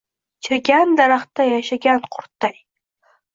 Chirigan daraxtda yashagan qurtday